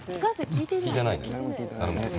聞いてない。